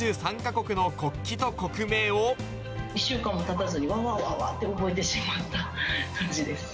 １週間もたたずに、わわわわって覚えてしまった感じです。